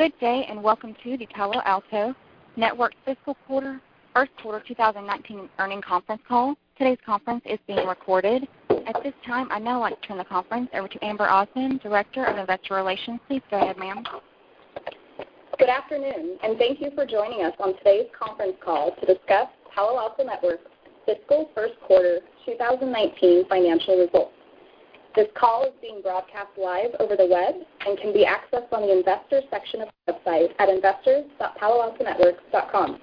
Good day, and welcome to the Palo Alto Networks Fiscal First Quarter 2019 Earnings Conference Call. Today's conference is being recorded. At this time, I'd now like to turn the conference over to Amber Ossman, Director of Investor Relations. Please go ahead, ma'am. Good afternoon, and thank you for joining us on today's conference call to discuss Palo Alto Networks' Fiscal First Quarter 2019 financial results. This call is being broadcast live over the web and can be accessed on the Investors section of the website at investors.paloaltonetworks.com.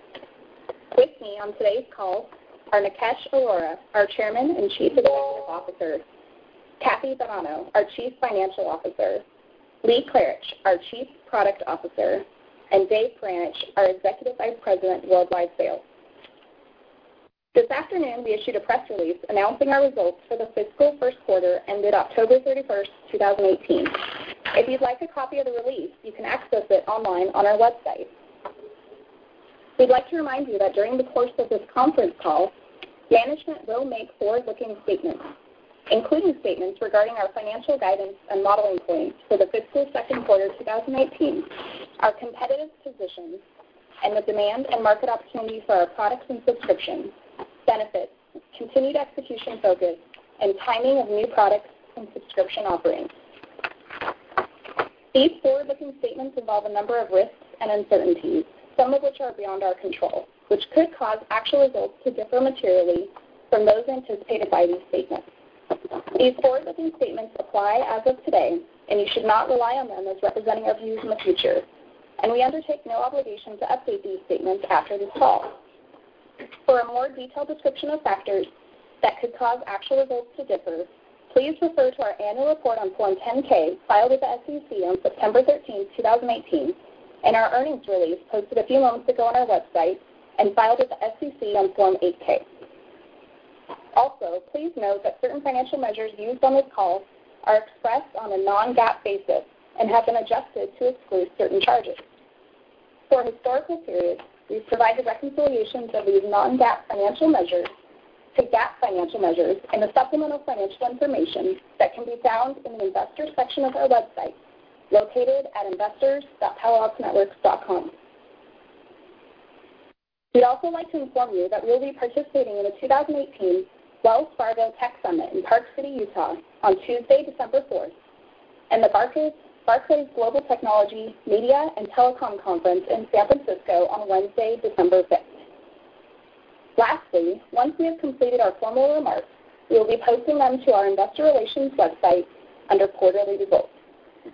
With me on today's call are Nikesh Arora, our Chairman and Chief Executive Officer, Kathy Bonanno, our Chief Financial Officer, Lee Klarich, our Chief Product Officer, and Dave Peranich, our Executive Vice President, Worldwide Sales. This afternoon, we issued a press release announcing our results for the fiscal first quarter ended October 31st, 2018. If you'd like a copy of the release, you can access it online on our website. We'd like to remind you that during the course of this conference call, management will make forward-looking statements, including statements regarding our financial guidance and modeling points for the fiscal second quarter 2019, our competitive positions, and the demand and market opportunity for our products and subscriptions, benefits, continued execution focus, and timing of new products and subscription offerings. These forward-looking statements involve a number of risks and uncertainties, some of which are beyond our control, which could cause actual results to differ materially from those anticipated by these statements. These forward-looking statements apply as of today, and you should not rely on them as representing our views in the future, and we undertake no obligation to update these statements after this call. For a more detailed description of factors that could cause actual results to differ, please refer to our annual report on Form 10-K filed with the SEC on September 13th, 2018, and our earnings release posted a few moments ago on our website and filed with the SEC on Form 8-K. Also, please note that certain financial measures used on this call are expressed on a non-GAAP basis and have been adjusted to exclude certain charges. For historical periods, we've provided reconciliations of these non-GAAP financial measures to GAAP financial measures in the supplemental financial information that can be found in the Investors section of our website, located at investors.paloaltonetworks.com. We'd also like to inform you that we'll be participating in the 2018 Wells Fargo Tech Summit in Park City, Utah, on Tuesday, December 4th, and the Barclays Global Technology, Media and Telecom Conference in San Francisco on Wednesday, December 5th. Lastly, once we have completed our formal remarks, we will be posting them to our investor relations website under Quarterly Results.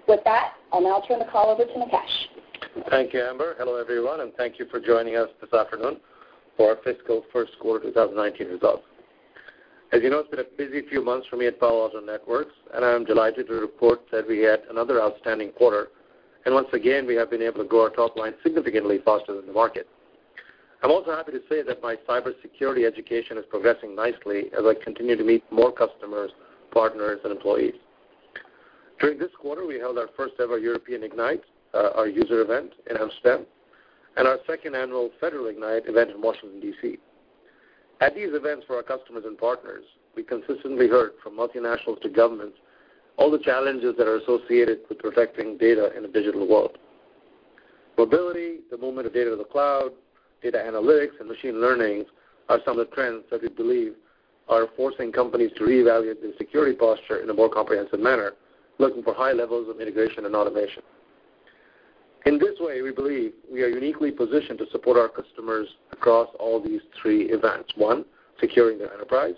With that, I'll now turn the call over to Nikesh. Thank you, Amber. Hello, everyone, and thank you for joining us this afternoon for our fiscal first quarter 2019 results. As you know, it's been a busy few months for me at Palo Alto Networks, and I am delighted to report that we had another outstanding quarter, and once again, we have been able to grow our top line significantly faster than the market. I'm also happy to say that my cybersecurity education is progressing nicely as I continue to meet more customers, partners, and employees. During this quarter, we held our first-ever European Ignite, our user event in Amsterdam, and our second annual Federal Ignite event in Washington, D.C. At these events for our customers and partners, we consistently heard from multinationals to governments all the challenges that are associated with protecting data in a digital world. Mobility, the movement of data to the cloud, data analytics, and machine learning are some of the trends that we believe are forcing companies to reevaluate their security posture in a more comprehensive manner, looking for high levels of integration and automation. In this way, we believe we are uniquely positioned to support our customers across all these three events. One, securing their enterprise.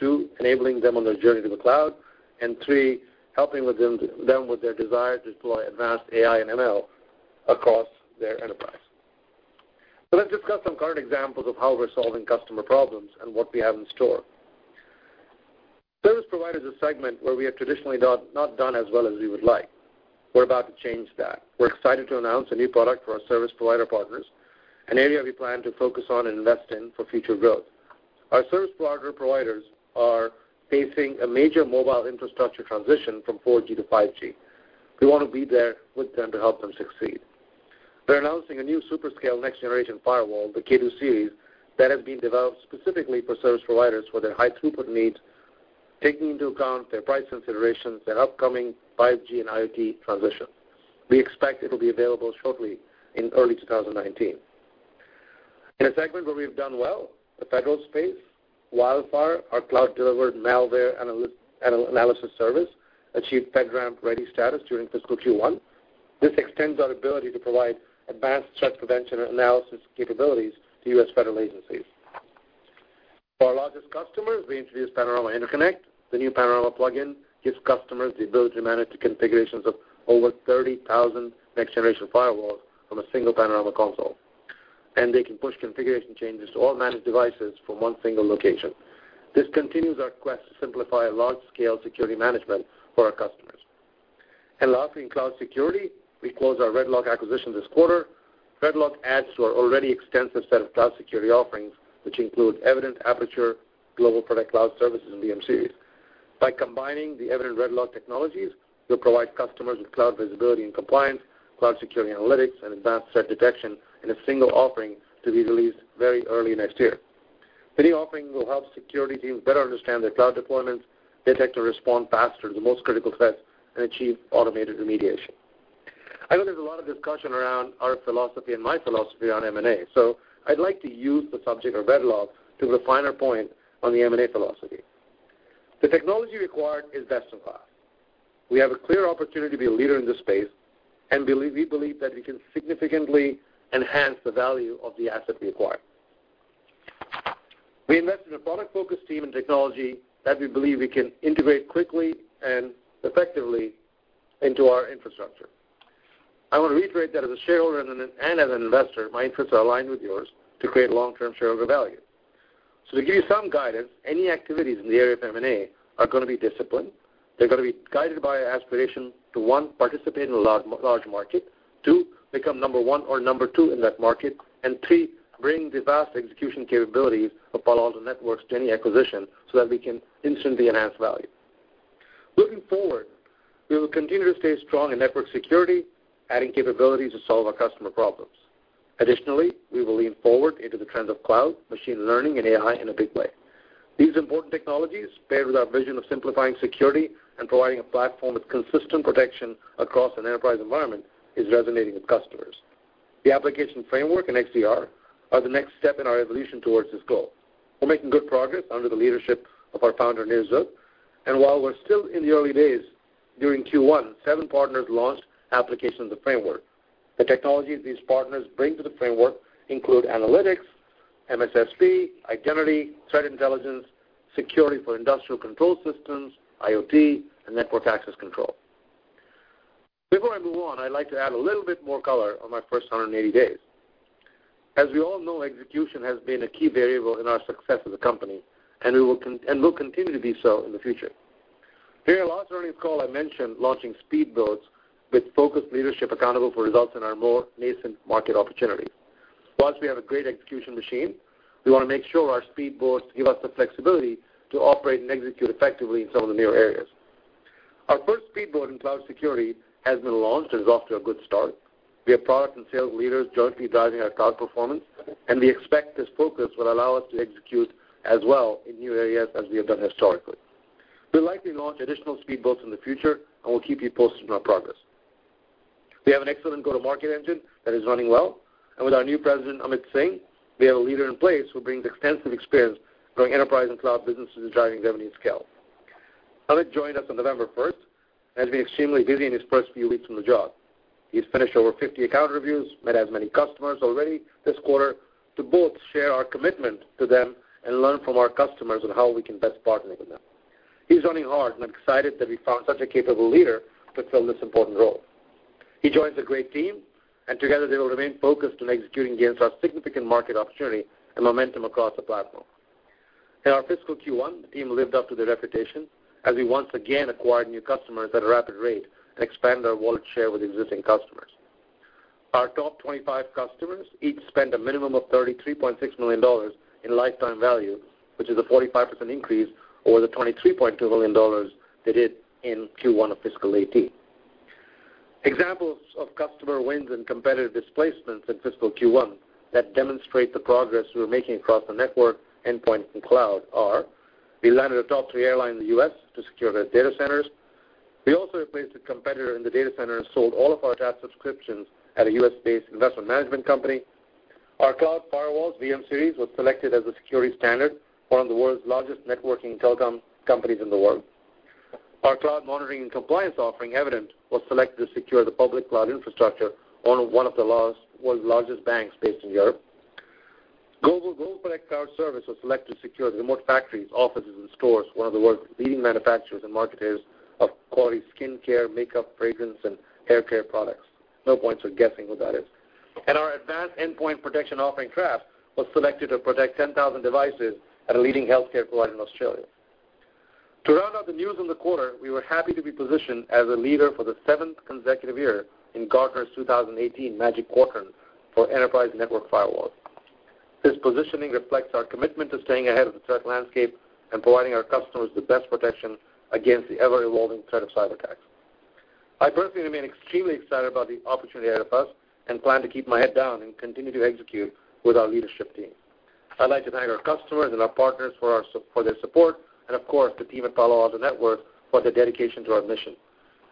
Two, enabling them on their journey to the cloud, and three, helping them with their desire to deploy advanced AI and ML across their enterprise. Let's discuss some current examples of how we're solving customer problems and what we have in store. Service provider is a segment where we have traditionally not done as well as we would like. We're about to change that. We're excited to announce a new product for our service provider partners, an area we plan to focus on and invest in for future growth. Our service providers are facing a major mobile infrastructure transition from 4G to 5G. We want to be there with them to help them succeed. We're announcing a new super scale next-generation firewall, the K2-Series, that has been developed specifically for service providers for their high throughput needs, taking into account their price considerations, their upcoming 5G and IoT transition. We expect it'll be available shortly in early 2019. In a segment where we've done well, the federal space, WildFire, our cloud-delivered malware analysis service, achieved FedRAMP Ready status during fiscal Q1. This extends our ability to provide advanced threat prevention and analysis capabilities to U.S. federal agencies. For our largest customers, we introduced Panorama Interconnect. The new Panorama plugin gives customers the ability to manage the configurations of over 30,000 next-generation firewalls from a single Panorama console, and they can push configuration changes to all managed devices from one single location. This continues our quest to simplify large-scale security management for our customers. Lastly, in cloud security, we closed our RedLock acquisition this quarter. RedLock adds to our already extensive set of cloud security offerings, which include Evident, Aperture, GlobalProtect cloud service, and VMC. By combining the Evident RedLock technologies, we will provide customers with cloud visibility and compliance, cloud security analytics, and advanced threat detection in a single offering to be released very early next year. Video offering will help security teams better understand their cloud deployments, detect and respond faster to the most critical threats, and achieve automated remediation. I know there's a lot of discussion around our philosophy and my philosophy on M&A, I'd like to use the subject of RedLock to refine our point on the M&A philosophy. The technology required is best in class. We have a clear opportunity to be a leader in this space, and we believe that we can significantly enhance the value of the asset we acquire. We invest in a product-focused team and technology that we believe we can integrate quickly and effectively into our infrastructure. I want to reiterate that as a shareholder and as an investor, my interests are aligned with yours to create long-term shareholder value. To give you some guidance, any activities in the area of M&A are going to be disciplined. They're going to be guided by an aspiration to, one, participate in a large market, two, become number one or number two in that market, and three, bring the vast execution capabilities of Palo Alto Networks to any acquisition so that we can instantly enhance value. Looking forward, we will continue to stay strong in network security, adding capabilities to solve our customer problems. Additionally, we will lean forward into the trends of cloud, machine learning, and AI in a big way. These important technologies, paired with our vision of simplifying security and providing a platform with consistent protection across an enterprise environment, is resonating with customers. The application framework and XDR are the next step in our evolution towards this goal. We're making good progress under the leadership of our Founder, Nir Zuk. While we're still in the early days, during Q1, seven partners launched applications of the framework. The technologies these partners bring to the framework include analytics, MSSP, identity, threat intelligence, security for industrial control systems, IoT, and network access control. Before I move on, I'd like to add a little bit more color on my first 180 days. As we all know, execution has been a key variable in our success as a company, and will continue to be so in the future. During our last earnings call, I mentioned launching speed boats with focused leadership accountable for results in our more nascent market opportunities. While we have a great execution machine, we want to make sure our speed boats give us the flexibility to operate and execute effectively in some of the newer areas. Our first speed boat in cloud security has been launched and is off to a good start. We have product and sales leaders jointly driving our cloud performance, and we expect this focus will allow us to execute as well in new areas as we have done historically. We'll likely launch additional speed boats in the future, and we'll keep you posted on our progress. We have an excellent go-to-market engine that is running well. With our new President, Amit Singh, we have a leader in place who brings extensive experience growing enterprise and cloud businesses and driving revenue scale. Amit joined us on November 1st and has been extremely busy in his first few weeks on the job. He's finished over 50 account reviews, met as many customers already this quarter to both share our commitment to them and learn from our customers on how we can best partner with them. He's running hard, and I'm excited that we found such a capable leader to fill this important role. He joins a great team, and together they will remain focused on executing against our significant market opportunity and momentum across the platform. In our fiscal Q1, the team lived up to their reputation as we once again acquired new customers at a rapid rate and expanded our wallet share with existing customers. Our top 25 customers each spent a minimum of $33.6 million in lifetime value, which is a 45% increase over the $23.2 million they did in Q1 of fiscal 2018. Examples of customer wins and competitive displacements in fiscal Q1 that demonstrate the progress we're making across the network, endpoint, and cloud are: we landed a top-tier airline in the U.S. to secure their data centers. We also replaced a competitor in the data center and sold all of our data subscriptions at a U.S.-based investment management company. Our cloud firewalls VM-Series was selected as a security standard for one of the world's largest networking telecom companies in the world. Our cloud monitoring and compliance offering, Evident, was selected to secure the public cloud infrastructure on one of the world's largest banks based in Europe. GlobalProtect cloud service was selected to secure the remote factories, offices, and stores of one of the world's leading manufacturers and marketers of quality skincare, makeup, fragrance, and haircare products. No points for guessing who that is. Our advanced endpoint protection offering, Traps, was selected to protect 10,000 devices at a leading healthcare provider in Australia. To round out the news on the quarter, we were happy to be positioned as a leader for the seventh consecutive year in Gartner's 2018 Magic Quadrant for Enterprise Network Firewalls. This positioning reflects our commitment to staying ahead of the threat landscape and providing our customers the best protection against the ever-evolving threat of cyberattacks. I personally remain extremely excited about the opportunity ahead of us and plan to keep my head down and continue to execute with our leadership team. I'd like to thank our customers and our partners for their support, and of course, the team at Palo Alto Networks for their dedication to our mission.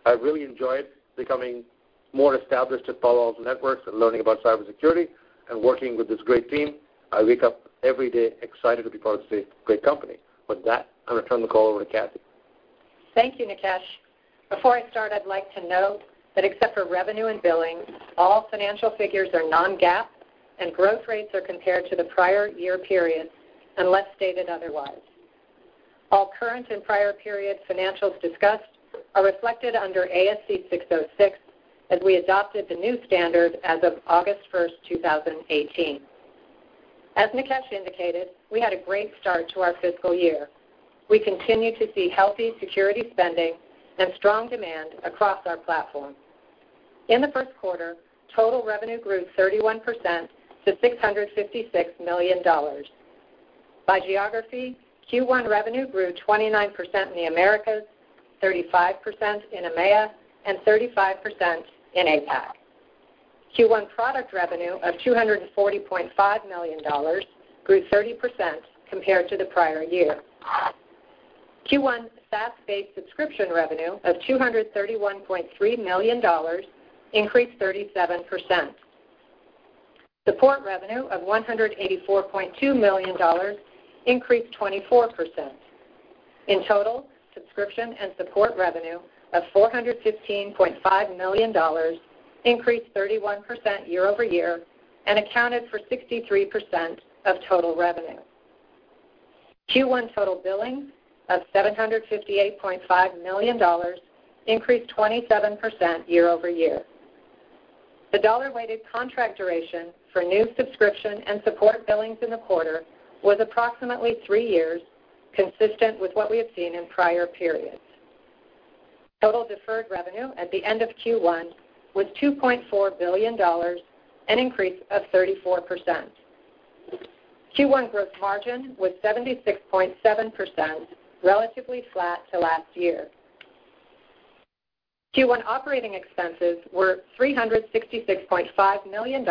I've really enjoyed becoming more established at Palo Alto Networks and learning about cybersecurity and working with this great team. I wake up every day excited to be part of this great company. With that, I'm going to turn the call over to Kathy. Thank you, Nikesh. Before I start, I'd like to note that except for revenue and billing, all financial figures are non-GAAP, and growth rates are compared to the prior year period unless stated otherwise. All current and prior period financials discussed are reflected under ASC 606, as we adopted the new standard as of August 1st, 2018. As Nikesh indicated, we had a great start to our fiscal year. We continue to see healthy security spending and strong demand across our platform. In the first quarter, total revenue grew 31% to $656 million. By geography, Q1 revenue grew 29% in the Americas, 35% in EMEA, and 35% in APAC. Q1 product revenue of $240.5 million grew 30% compared to the prior year. Q1 SaaS-based subscription revenue of $231.3 million increased 37%. Support revenue of $184.2 million increased 24%. In total, subscription and support revenue of $415.5 million increased 31% year-over-year and accounted for 63% of total revenue. Q1 total billing of $758.5 million increased 27% year-over-year. The dollar-weighted contract duration for new subscription and support billings in the quarter was approximately three years, consistent with what we have seen in prior periods. Total deferred revenue at the end of Q1 was $2.4 billion, an increase of 34%. Q1 growth margin was 76.7%, relatively flat to last year. Q1 operating expenses were $366.5 million,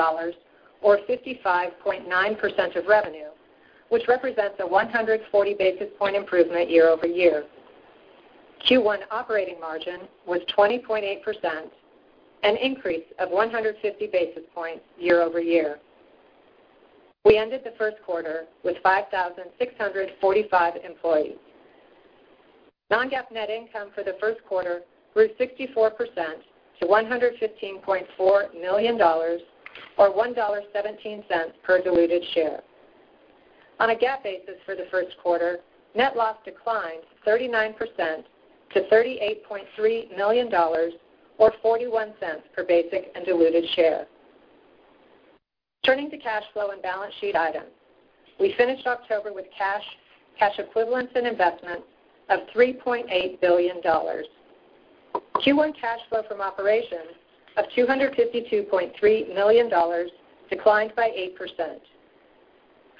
or 55.9% of revenue, which represents a 140 basis point improvement year-over-year. Q1 operating margin was 20.8%, an increase of 150 basis points year-over-year. We ended the first quarter with 5,645 employees. Non-GAAP net income for the first quarter grew 64% to $115.4 million, or $1.17 per diluted share. On a GAAP basis for the first quarter, net loss declined 39% to $38.3 million or $0.41 per basic and diluted share. Turning to cash flow and balance sheet items. We finished October with cash equivalents, and investments of $3.8 billion. Q1 cash flow from operations of $252.3 million declined by 8%.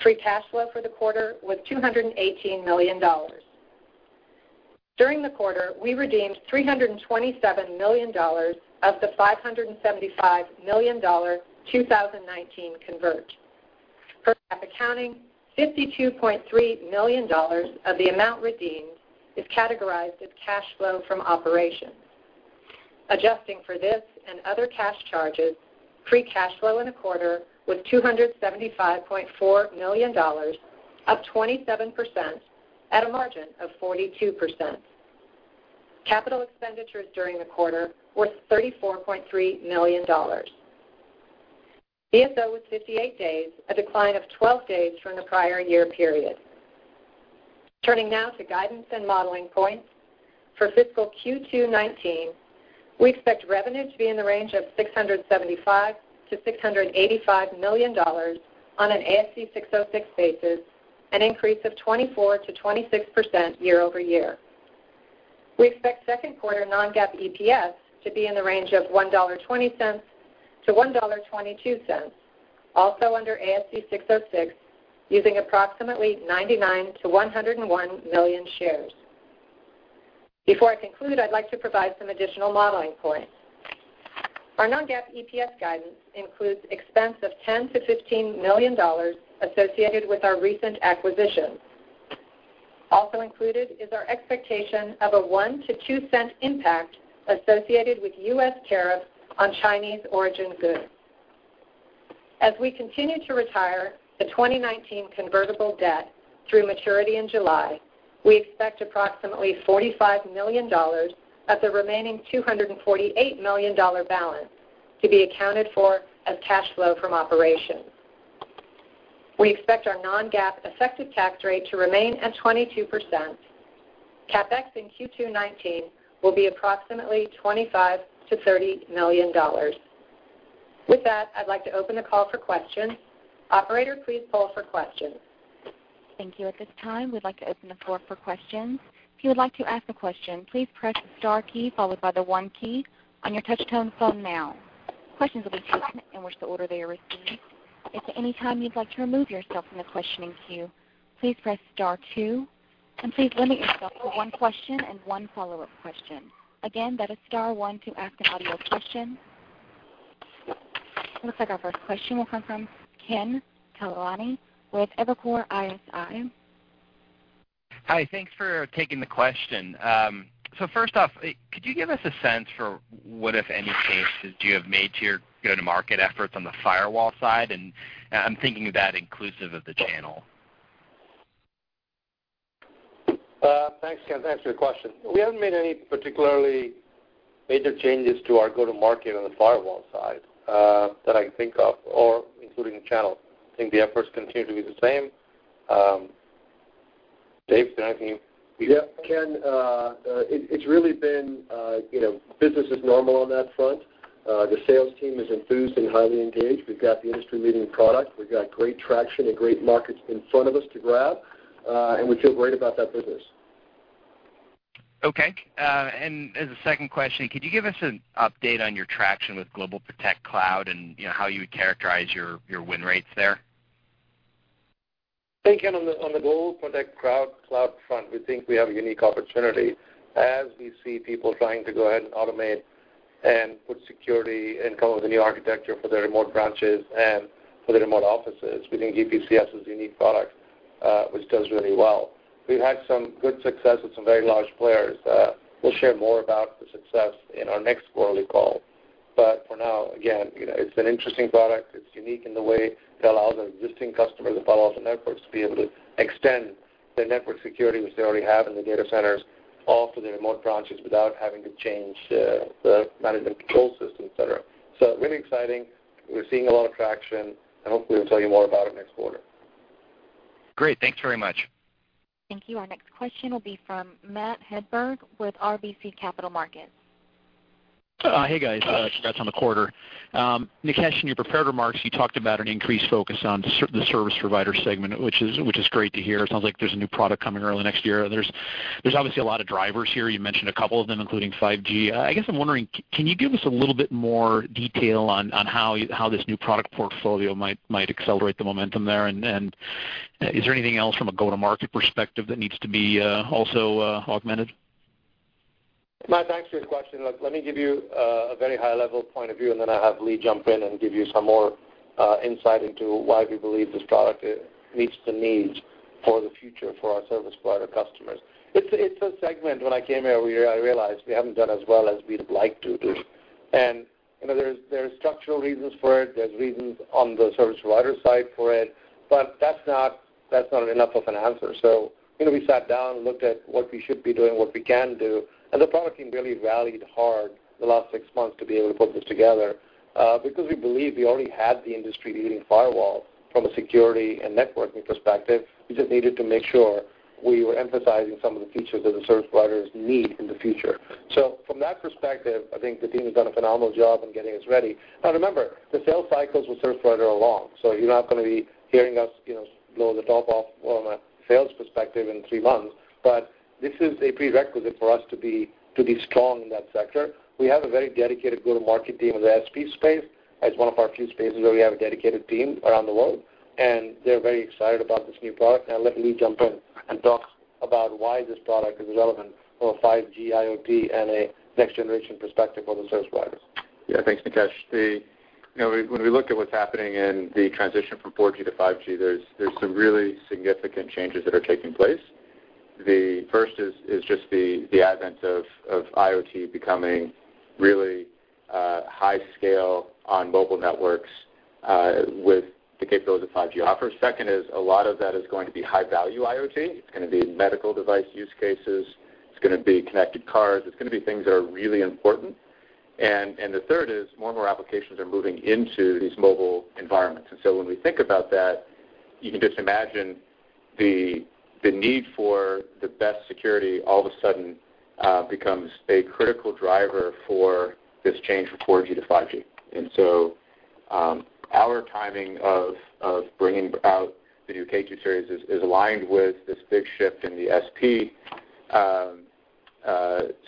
Free cash flow for the quarter was $218 million. During the quarter, we redeemed $327 million of the $575 million 2019 convert. For accounting, $52.3 million of the amount redeemed is categorized as cash flow from operations. Adjusting for this and other cash charges, free cash flow in the quarter was $275.4 million, up 27%, at a margin of 42%. Capital expenditures during the quarter were $34.3 million. DSO was 58 days, a decline of 12 days from the prior year period. Turning now to guidance and modeling points. For fiscal Q2 2019, we expect revenue to be in the range of $675 million-$685 million on an ASC 606 basis, an increase of 24%-26% year-over-year. We expect second quarter non-GAAP EPS to be in the range of $1.20-$1.22, also under ASC 606, using approximately 99 million-101 million shares. Before I conclude, I'd like to provide some additional modeling points. Our non-GAAP EPS guidance includes expense of $10 million-$15 million associated with our recent acquisitions. Also included is our expectation of a $0.01-$0.02 impact associated with U.S. tariffs on Chinese origin goods. As we continue to retire the 2019 convertible debt through maturity in July, we expect approximately $45 million of the remaining $248 million balance to be accounted for as cash flow from operations. We expect our non-GAAP effective tax rate to remain at 22%. CapEx in Q2 2019 will be approximately $25 million-$30 million. With that, I'd like to open the call for questions. Operator, please poll for questions. Thank you. At this time, we'd like to open the floor for questions. If you would like to ask a question, please press the star key followed by the one key on your touch-tone phone now. Questions will be taken in which the order they are received. If at any time you'd like to remove yourself from the questioning queue, please press star two, and please limit yourself to one question and one follow-up question. Again, that is star one to ask an audio question. It looks like our first question will come from Ken Talanian with Evercore ISI. Hi. Thanks for taking the question. First off, could you give us a sense for what, if any, changes you have made to your go-to-market efforts on the firewall side? I'm thinking of that inclusive of the channel. Thanks, Ken. Thanks for your question. We haven't made any particularly major changes to our go-to-market on the firewall side that I can think of or including the channel. I think the efforts continue to be the same. Dave, can I have you? Yeah, Ken, it's really been business as normal on that front. The sales team is enthused and highly engaged. We've got the industry-leading product. We've got great traction and great markets in front of us to grab. We feel great about that business. Okay. As a second question, could you give us an update on your traction with GlobalProtect Cloud and how you would characterize your win rates there? Thinking on the GlobalProtect Cloud front, we think we have a unique opportunity as we see people trying to go ahead and automate and put security and come up with a new architecture for their remote branches and for their remote offices. We think GPCS is a unique product, which does really well. We've had some good success with some very large players. We'll share more about the success in our next quarterly call. For now, again, it's an interesting product. It's unique in the way it allows our existing customers of Palo Alto Networks to be able to extend their network security, which they already have in the data centers, off to the remote branches without having to change the management control system, et cetera. Really exciting. We're seeing a lot of traction, hopefully we'll tell you more about it next quarter. Great. Thanks very much. Thank you. Our next question will be from Matt Hedberg with RBC Capital Markets. Hey, guys. Congrats on the quarter. Nikesh, in your prepared remarks, you talked about an increased focus on the service provider segment, which is great to hear. It sounds like there's a new product coming early next year. There's obviously a lot of drivers here. You mentioned a couple of them, including 5G. I guess I'm wondering, can you give us a little bit more detail on how this new product portfolio might accelerate the momentum there? Is there anything else from a go-to-market perspective that needs to be also augmented? Matt, thanks for your question. Look, let me give you a very high-level point of view, then I'll have Lee jump in and give you some more insight into why we believe this product meets the needs for the future for our service provider customers. It's a segment when I came here, where I realized we haven't done as well as we'd like to. There's structural reasons for it. There's reasons on the service provider side for it, but that's not enough of an answer. We sat down and looked at what we should be doing, what we can do, and the product team really rallied hard the last six months to be able to put this together. We believe we already have the industry-leading firewall from a security and networking perspective. We just needed to make sure we were emphasizing some of the features that the service providers need in the future. From that perspective, I think the team has done a phenomenal job in getting us ready. Remember, the sales cycles with service provider are long. You're not going to be hearing us blow the top off from a sales perspective in three months. This is a prerequisite for us to be strong in that sector. We have a very dedicated go-to-market team in the SP space as one of our few spaces where we have a dedicated team around the world, and they're very excited about this new product. Let Lee jump in and talk about why this product is relevant for a 5G IoT and a next-generation perspective for the service providers. Yeah, thanks, Nikesh. When we look at what's happening in the transition from 4G to 5G, there's some really significant changes that are taking place. The first is just the advent of IoT becoming really high scale on mobile networks with the capabilities that 5G offers. Second is a lot of that is going to be high-value IoT. It's going to be medical device use cases. It's going to be connected cars. It's going to be things that are really important. The third is more and more applications are moving into these mobile environments. When we think about that, you can just imagine the need for the best security all of a sudden becomes a critical driver for this change from 4G to 5G. Our timing of bringing out the new K2-Series is aligned with this big shift in the SP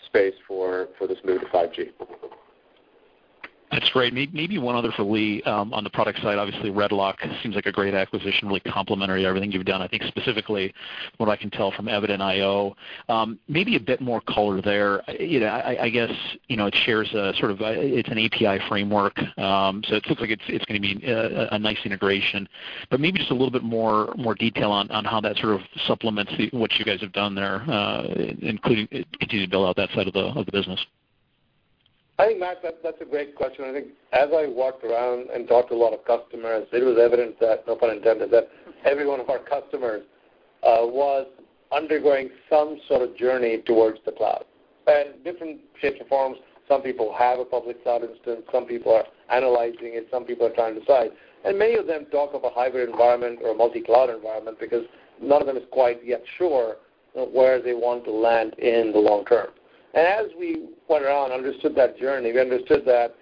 space for this move to 5G. That's great. Maybe one other for Lee on the product side. Obviously, RedLock seems like a great acquisition, really complementary to everything you've done. I think specifically what I can tell from Evident.io. Maybe a bit more color there. I guess it's an API framework, so it looks like it's going to be a nice integration. Maybe just a little bit more detail on how that sort of supplements what you guys have done there, including continuing to build out that side of the business. I think, Matt, that's a great question. I think as I walked around and talked to a lot of customers, it was evident that, no pun intended, that every one of our customers was undergoing some sort of journey towards the cloud. Different shapes and forms. Some people have a public cloud instance, some people are analyzing it, some people are trying to decide. Many of them talk of a hybrid environment or a multi-cloud environment because none of them is quite yet sure where they want to land in the long term. As we went around and understood that journey, we understood that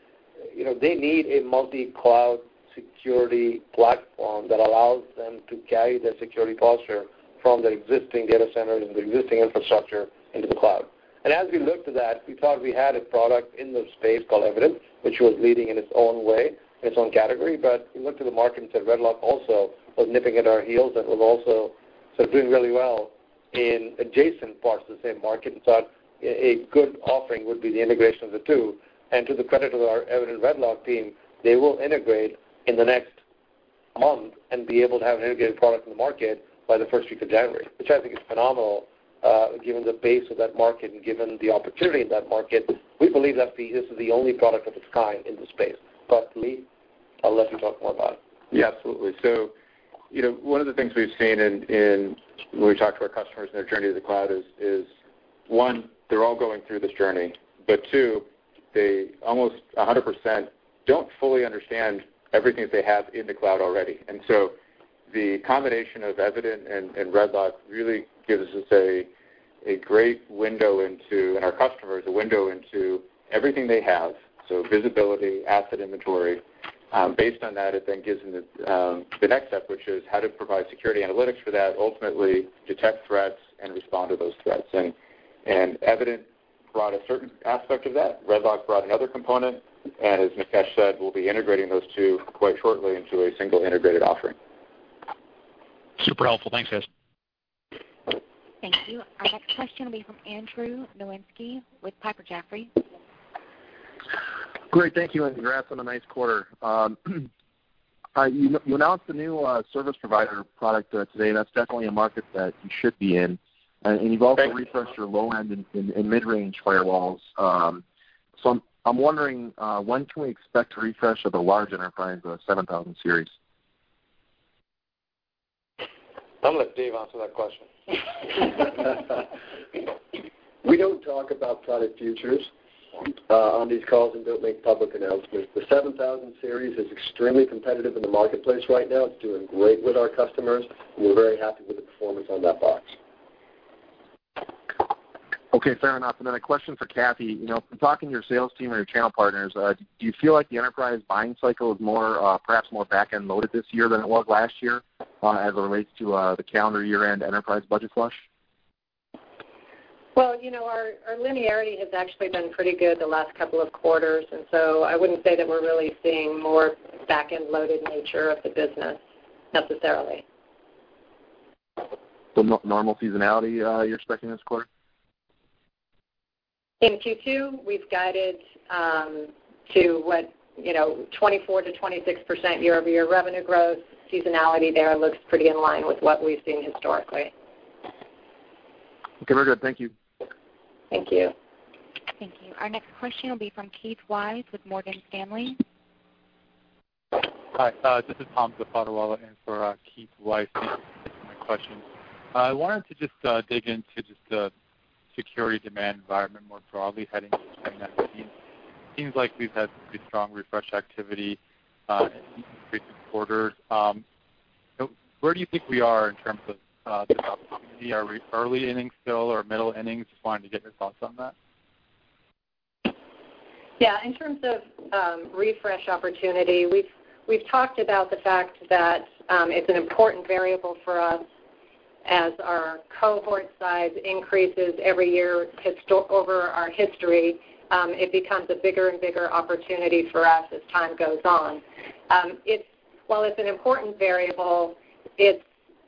they need a multi-cloud security platform that allows them to carry their security posture from their existing data centers and their existing infrastructure into the cloud. As we looked to that, we thought we had a product in the space called Evident, which was leading in its own way, in its own category. We looked to the market and said RedLock also was nipping at our heels and was also sort of doing really well in adjacent parts of the same market. A good offering would be the integration of the two. To the credit of our Evident RedLock team, they will integrate in the next month and be able to have an integrated product in the market by the first week of January, which I think is phenomenal given the pace of that market and given the opportunity in that market. We believe that this is the only product of its kind in the space. Lee, I'll let you talk more about it. Yeah, absolutely. One of the things we've seen when we talk to our customers in their journey to the cloud is, one, they're all going through this journey. Two, they almost 100% don't fully understand everything that they have in the cloud already. The combination of Evident and RedLock really gives us a great window into, and our customers, a window into everything they have. So visibility, asset inventory. Based on that, it then gives them the next step, which is how to provide security analytics for that, ultimately detect threats and respond to those threats. Evident brought a certain aspect of that, RedLock brought another component, and as Nikesh said, we'll be integrating those two quite shortly into a single integrated offering. Super helpful. Thanks, guys. Thank you. Our next question will be from Andrew Nowinski with Piper Jaffray. Great. Thank you, congrats on a nice quarter. You announced a new service provider product today, that's definitely a market that you should be in. Thank you. You've also refreshed your low-end and mid-range firewalls. I'm wondering, when can we expect a refresh of the large enterprise of the PA-7000 Series? I'm going to let Dave answer that question. We don't talk about product futures on these calls and don't make public announcements. The PA-7000 Series is extremely competitive in the marketplace right now. It's doing great with our customers, and we're very happy with the performance on that box. Okay. Fair enough. A question for Kathy. From talking to your sales team and your channel partners, do you feel like the enterprise buying cycle is perhaps more back-end loaded this year than it was last year as it relates to the calendar year-end enterprise budget flush? Well, our linearity has actually been pretty good the last couple of quarters, and so I wouldn't say that we're really seeing more back-end loaded nature of the business necessarily. Normal seasonality you're expecting this quarter? In Q2, we've guided to what, 24%-26% year-over-year revenue growth. Seasonality there looks pretty in line with what we've seen historically. Okay. Very good. Thank you. Thank you. Thank you. Our next question will be from Keith Weiss with Morgan Stanley. Hi. This is [Toni Sacconaghi] in for Keith Weiss. Thank you for taking my question. I wanted to just dig into the security demand environment more broadly heading into 2019. It seems like we've had pretty strong refresh activity in each recent quarter. Where do you think we are in terms of this opportunity? Are we early innings still or middle innings? Just wanted to get your thoughts on that. Yeah. In terms of refresh opportunity, we've talked about the fact that it's an important variable for us. As our cohort size increases every year over our history, it becomes a bigger and bigger opportunity for us as time goes on. While it's an important variable, it's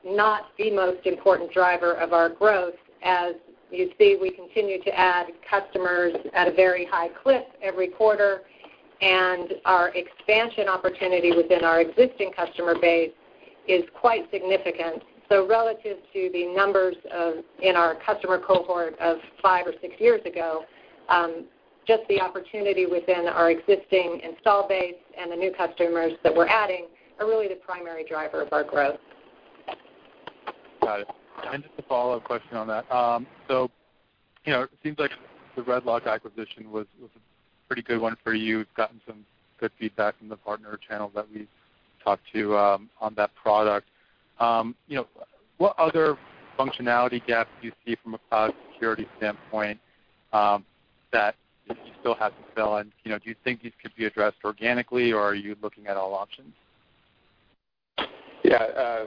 not the most important driver of our growth. As you see, we continue to add customers at a very high clip every quarter, and our expansion opportunity within our existing customer base is quite significant. Relative to the numbers in our customer cohort of five or six years ago, just the opportunity within our existing install base and the new customers that we're adding are really the primary driver of our growth. Got it. Just a follow-up question on that. It seems like the RedLock acquisition was a pretty good one for you. It's gotten some good feedback from the partner channel that we've talked to on that product. What other functionality gaps do you see from a cloud security standpoint that you still have to fill in? Do you think these could be addressed organically, or are you looking at all options? Yeah.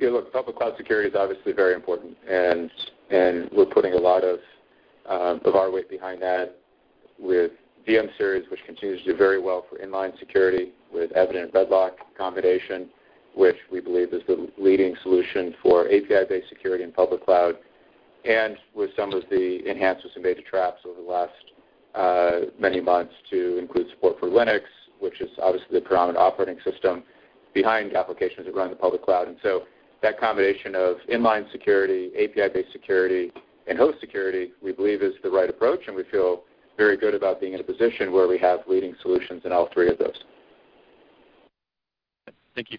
Look, public cloud security is obviously very important, and we're putting a lot of our weight behind that with VM-Series, which continues to do very well for inline security, with Evident RedLock combination, which we believe is the leading solution for API-based security and public cloud. With some of the enhancements in Traps over the last many months to include support for Linux, which is obviously the predominant operating system behind applications that run in the public cloud. That combination of inline security, API-based security, and host security, we believe is the right approach, and we feel very good about being in a position where we have leading solutions in all three of those. Thank you.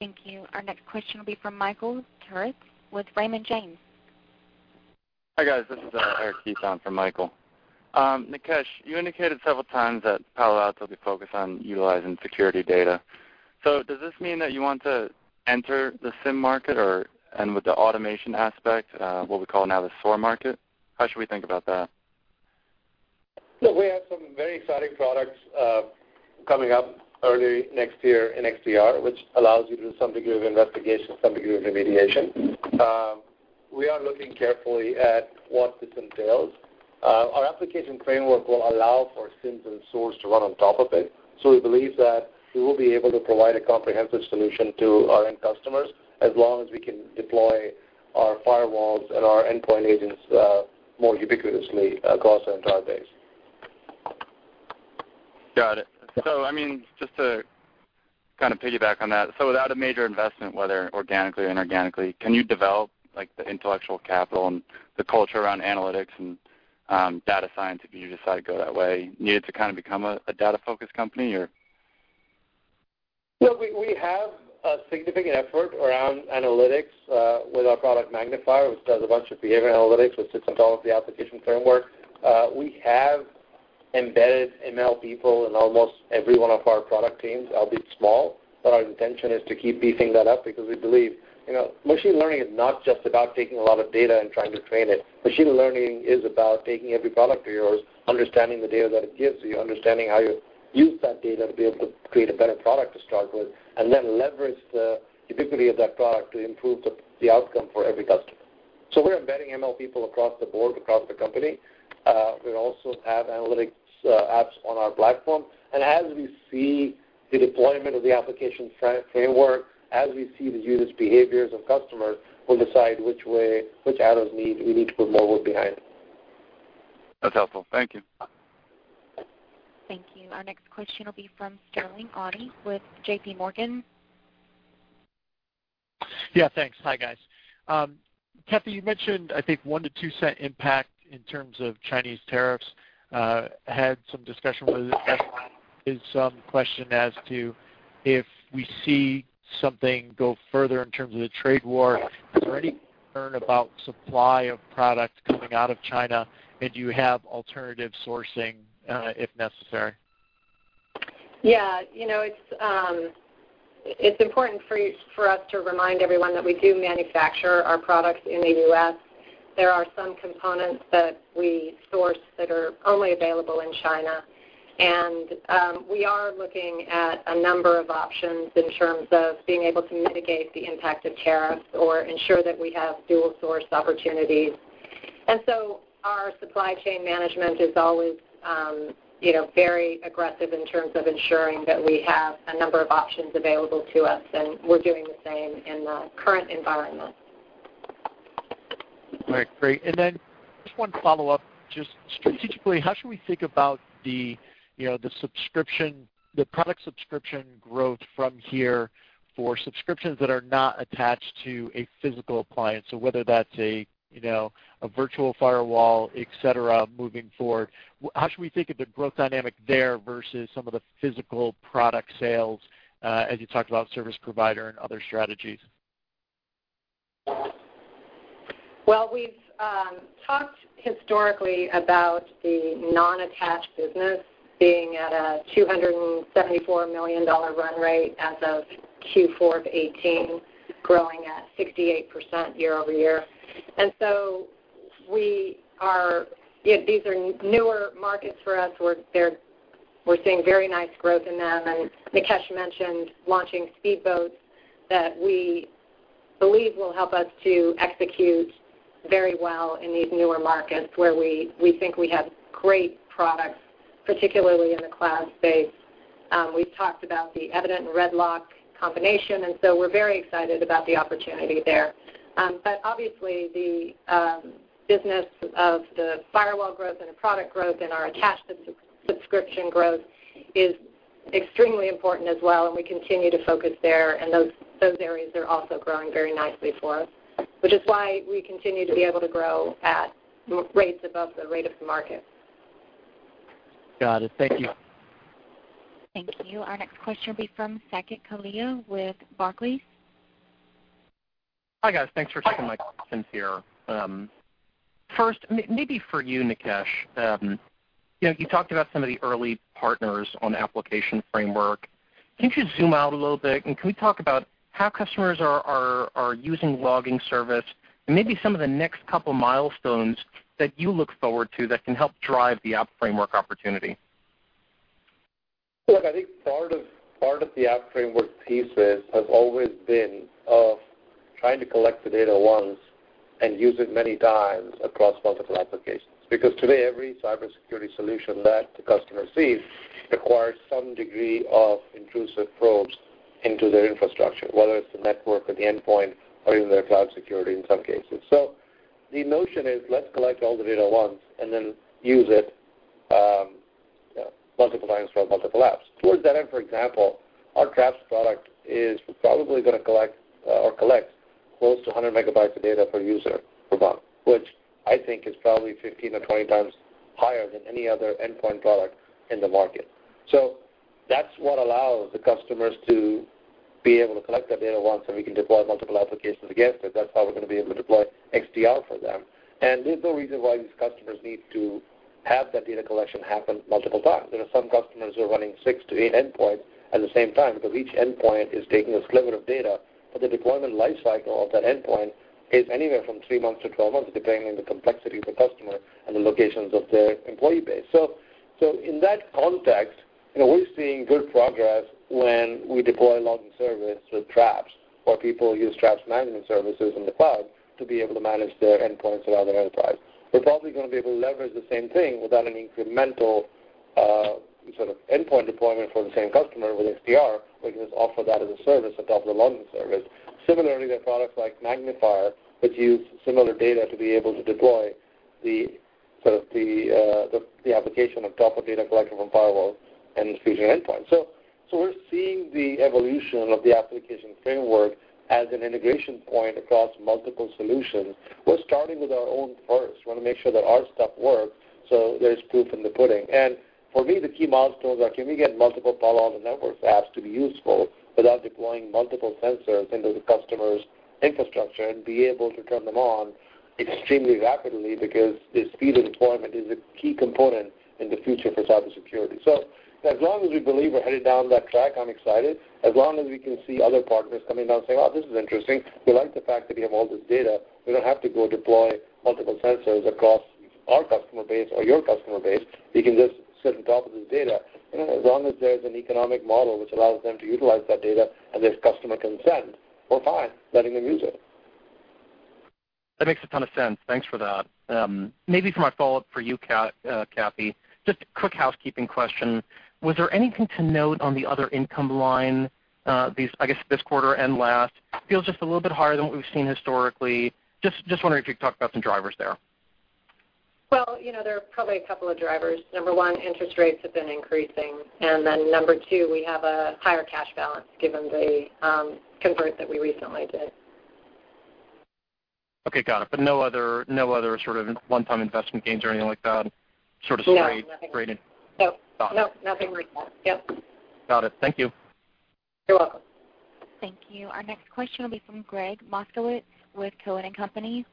Thank you. Our next question will be from Michael Turits with Raymond James. Hi, guys. This is Eric Heath on for Michael. Nikesh, you indicated several times that Palo Alto will be focused on utilizing security data. Does this mean that you want to enter the SIEM market or, with the automation aspect, what we call now the SOAR market? How should we think about that? Look, we have some very exciting products coming up early next year in XDR, which allows you to do some degree of investigation, some degree of remediation. Our application framework will allow for SIEMs and SOARs to run on top of it. We believe that we will be able to provide a comprehensive solution to our end customers as long as we can deploy our firewalls and our endpoint agents more ubiquitously across our entire base. Got it. Just to kind of piggyback on that. Without a major investment, whether organically or inorganically, can you develop the intellectual capital and the culture around analytics and data science if you decide to go that way? You need it to kind of become a data-focused company or? Look, we have a significant effort around analytics with our product Magnifier, which does a bunch of behavior analytics, which sits on top of the application framework. We have embedded ML people in almost every one of our product teams, albeit small. Our intention is to keep beefing that up because we believe machine learning is not just about taking a lot of data and trying to train it. Machine learning is about taking every product of yours, understanding the data that it gives you, understanding how you use that data to be able to create a better product to start with, and then leverage the ubiquity of that product to improve the outcome for every customer. We're embedding ML people across the board, across the company. We also have analytics apps on our platform. As we see the deployment of the application framework, as we see the users' behaviors of customers, we'll decide which arrows we need to put more wood behind. That's helpful. Thank you. Thank you. Our next question will be from Sterling Auty with JPMorgan. Yeah, thanks. Hi, guys. Kathy, you mentioned, I think, $0.01-$0.02 impact in terms of Chinese tariffs. Had some discussion with is some question as to if we see something go further in terms of the trade war, is there any concern about supply of products coming out of China? Do you have alternative sourcing if necessary? Yeah. It's important for us to remind everyone that we do manufacture our products in the U.S. There are some components that we source that are only available in China. We are looking at a number of options in terms of being able to mitigate the impact of tariffs or ensure that we have dual source opportunities. Our supply chain management is always very aggressive in terms of ensuring that we have a number of options available to us, and we're doing the same in the current environment. All right, great. Just one follow-up. Just strategically, how should we think about the product subscription growth from here for subscriptions that are not attached to a physical appliance? Whether that's a virtual firewall, et cetera, moving forward. How should we think of the growth dynamic there versus some of the physical product sales as you talked about service provider and other strategies? Well, we've talked historically about the non-attached business being at a $274 million run rate as of Q4 of 2018, growing at 68% year-over-year. These are newer markets for us. We're seeing very nice growth in them, and Nikesh mentioned launching speed boats that we believe will help us to execute very well in these newer markets where we think we have great products, particularly in the cloud space. We've talked about the Evident and RedLock combination, we're very excited about the opportunity there. But obviously the business of the firewall growth and the product growth and our attached subscription growth is extremely important as well, and we continue to focus there. Those areas are also growing very nicely for us, which is why we continue to be able to grow at rates above the rate of the market. Got it. Thank you. Thank you. Our next question will be from Saket Kalia with Barclays. Hi, guys. Thanks for taking my questions here. First, maybe for you, Nikesh. You talked about some of the early partners on the application framework. Can you zoom out a little bit, and can we talk about how customers are using logging service and maybe some of the next couple milestones that you look forward to that can help drive the app framework opportunity? Look, I think part of the app framework pieces has always been of trying to collect the data once and use it many times across multiple applications. Because today, every cybersecurity solution that the customer sees requires some degree of intrusive probes into their infrastructure, whether it's the network or the endpoint or even their cloud security in some cases. The notion is, let's collect all the data once and then use it multiple times for multiple apps. Towards that end, for example, our Traps product is probably going to collect or collects close to 100 MB of data per user per month, which I think is probably 15 or 20 times higher than any other endpoint product in the market. That's what allows the customers to be able to collect that data once, and we can deploy multiple applications against it. That's how we're going to be able to deploy XDR for them. There's no reason why these customers need to have that data collection happen multiple times. There are some customers who are running six to eight endpoints at the same time because each endpoint is taking a sliver of data, but the deployment life cycle of that endpoint is anywhere from three months to 12 months, depending on the complexity of the customer and the locations of their employee base. In that context, we're seeing good progress when we deploy a logging service with Traps or people use Traps management service in the cloud to be able to manage their endpoints around their enterprise. We're probably going to be able to leverage the same thing without any incremental sort of endpoint deployment for the same customer with XDR. We can just offer that as a service atop the logging service. Similarly to products like Magnifier, which use similar data to be able to deploy the application atop of data collected from firewalls and the featured endpoint. We're seeing the evolution of the application framework as an integration point across multiple solutions. We're starting with our own first. We want to make sure that our stuff works, so there is proof in the pudding. For me, the key milestones are, can we get multiple firewall and network apps to be useful without deploying multiple sensors into the customer's infrastructure and be able to turn them on extremely rapidly? Because the speed of deployment is a key component in the future for cybersecurity. As long as we believe we're headed down that track, I'm excited. As long as we can see other partners coming out and saying, "Oh, this is interesting. We like the fact that we have all this data. We don't have to go deploy multiple sensors across- Our customer base or your customer base, we can just sit on top of this data, as long as there's an economic model which allows them to utilize that data and there's customer consent, we're fine letting them use it. That makes a ton of sense. Thanks for that. For my follow-up for you, Kathy, just a quick housekeeping question. Was there anything to note on the other income line, I guess, this quarter and last? Feels just a little bit higher than what we've seen historically. Just wondering if you could talk about some drivers there. Well, there are probably a couple of drivers. Number one, interest rates have been increasing. Number two, we have a higher cash balance given the convert that we recently did. Okay, got it. No other sort of one-time investment gains or anything like that. No, nothing like that. Yep. Got it. Thank you. You're welcome. Thank you. Our next question will be from Gregg Moskowitz with Cowen and Company.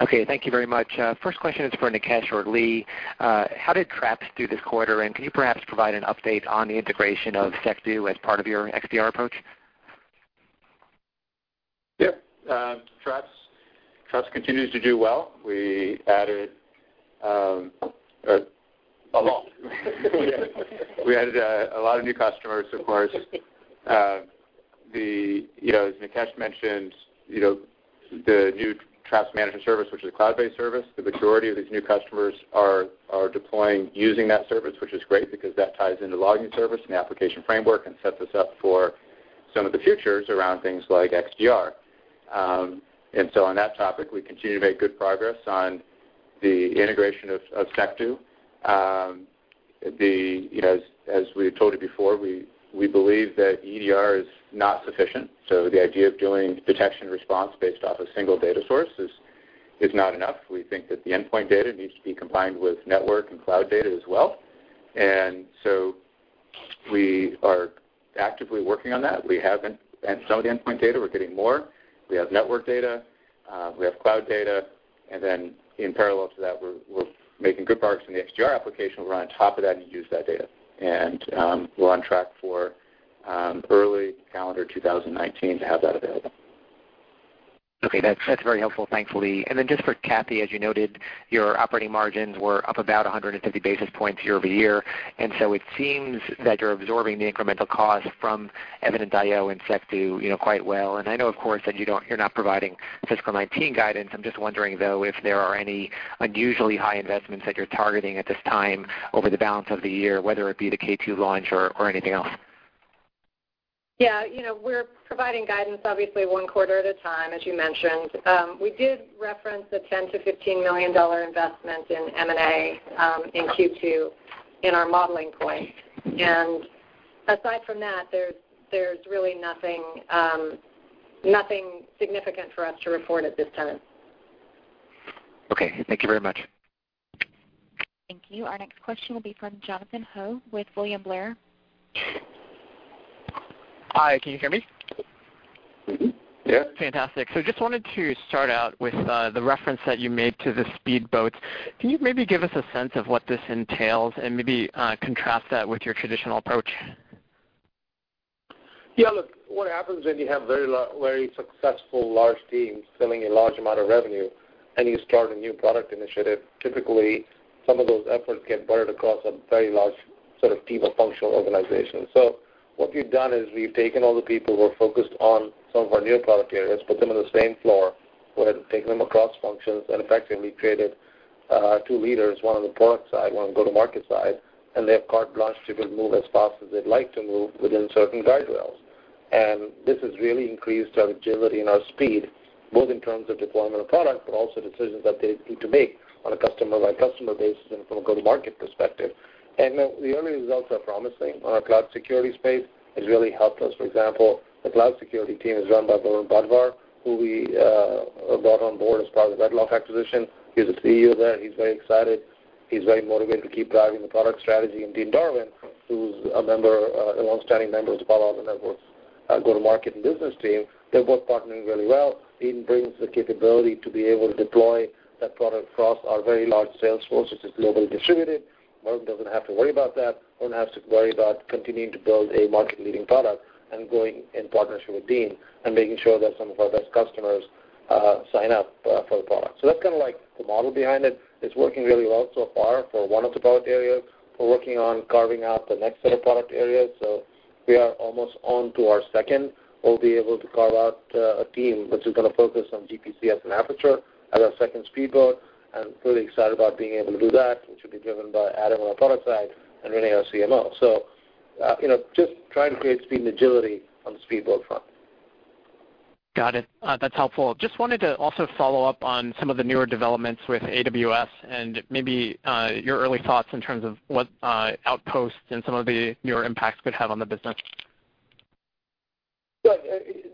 Okay, thank you very much. First question is for Nikesh or Lee. How did Traps do this quarter, and can you perhaps provide an update on the integration of Secdo as part of your XDR approach? Yep. Traps continues to do well. We added a lot. We added a lot of new customers, of course. As Nikesh mentioned, the new Traps management service, which is a cloud-based service, the majority of these new customers are deploying using that service, which is great because that ties into logging service and the application framework and sets us up for some of the futures around things like XDR. On that topic, we continue to make good progress on the integration of Secdo. As we told you before, we believe that EDR is not sufficient, so the idea of doing detection response based off a single data source is not enough. We think that the endpoint data needs to be combined with network and cloud data as well. We are actively working on that. We have some of the endpoint data. We're getting more. We have network data. We have cloud data. In parallel to that, we're making good progress on the XDR application, run on top of that, and use that data. We're on track for early calendar 2019 to have that available. Okay, that's very helpful. Thanks, Lee. Just for Kathy, as you noted, your operating margins were up about 150 basis points year-over-year, it seems that you're absorbing the incremental cost from Evident.io and Secdo quite well. I know, of course, that you're not providing fiscal 2019 guidance. I'm just wondering, though, if there are any unusually high investments that you're targeting at this time over the balance of the year, whether it be the K2 launch or anything else. Yeah. We're providing guidance, obviously, one quarter at a time, as you mentioned. We did reference a $10 million-$15 million investment in M&A in Q2 in our modeling point. Aside from that, there's really nothing significant for us to report at this time. Okay. Thank you very much. Thank you. Our next question will be from Jonathan Ho with William Blair. Hi, can you hear me? Yeah. Fantastic. Just wanted to start out with the reference that you made to the speedboats. Can you maybe give us a sense of what this entails and maybe contrast that with your traditional approach? Yeah, look, what happens when you have very successful large teams filling a large amount of revenue and you start a new product initiative, typically, some of those efforts get buried across a very large sort of team of functional organizations. What we've done is we've taken all the people who are focused on some of our new product areas, put them in the same floor. We had taken them across functions and effectively created two leaders, one on the product side, one on go-to-market side, and they have carte blanche to be able to move as fast as they'd like to move within certain guardrails. This has really increased our agility and our speed, both in terms of deployment of product, but also decisions that they need to make on a customer-by-customer basis and from a go-to-market perspective. The early results are promising. On our cloud security space, it's really helped us. For example, the cloud security team is run by Varun Badhwar, who we brought on board as part of the RedLock acquisition. He's a CEO there. He's very excited. He's very motivated to keep driving the product strategy. Dean Darwin, who's a longstanding member of the Palo Alto Networks go-to-market and business team, they're both partnering really well. Dean brings the capability to be able to deploy that product across our very large sales force, which is globally distributed. Varun doesn't have to worry about that. Varun has to worry about continuing to build a market-leading product and going in partnership with Dean and making sure that some of our best customers sign up for the product. That's kind of like the model behind it. It's working really well so far for one of the product areas. We're working on carving out the next set of product areas. We are almost on to our second. We'll be able to carve out a team which is going to focus on GPC as an Aperture as our second speedboat, and really excited about being able to do that, which will be driven by Adam on the product side and Rene, our CMO. Just trying to create speed and agility on the speedboat front. Got it. That's helpful. Just wanted to also follow up on some of the newer developments with AWS and maybe your early thoughts in terms of what Outposts and some of the newer impacts could have on the business. Look,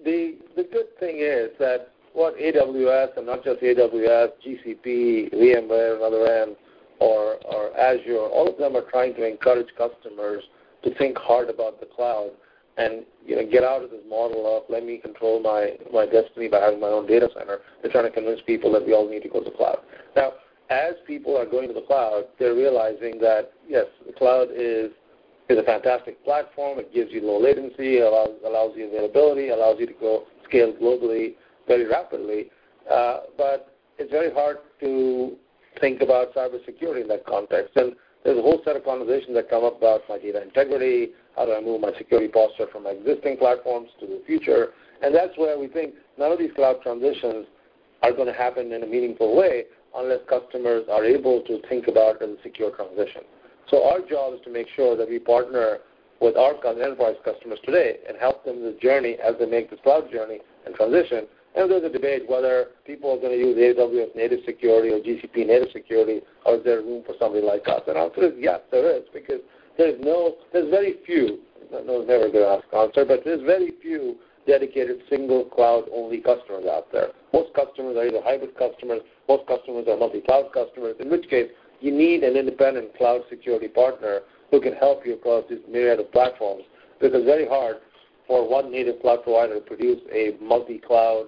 the good thing is that what AWS, not just AWS, GCP, VMware, another RAM, or Azure, all of them are trying to encourage customers to think hard about the cloud and get out of this model of let me control my destiny by having my own data center. They're trying to convince people that we all need to go to the cloud. As people are going to the cloud, they're realizing that, yes, the cloud is. The cloud is a fantastic platform. It gives you low latency, allows you availability, allows you to scale globally very rapidly. It's very hard to think about cybersecurity in that context. There's a whole set of conversations that come up about my data integrity, how do I move my security posture from my existing platforms to the future. That's where we think none of these cloud transitions are going to happen in a meaningful way, unless customers are able to think about a secure transition. Our job is to make sure that we partner with our current enterprise customers today and help them with the journey as they make this cloud journey and transition. There's a debate whether people are going to use AWS native security or GCP native security, or is there room for somebody like us? Our answer is, yes, there is because there's very few. No, it's never a good ask answer, there's very few dedicated single cloud-only customers out there. Most customers are either hybrid customers, most customers are multi-cloud customers, in which case you need an independent cloud security partner who can help you across this myriad of platforms. It's very hard for one native cloud provider to produce a multi-cloud,